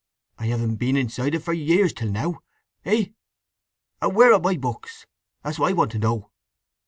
"I haven't been inside it for years till now! Hey? And where are my books? That's what I want to know?"